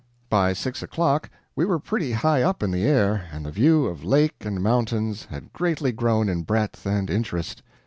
By six o'clock we were pretty high up in the air, and the view of lake and mountains had greatly grown in breadth and interest.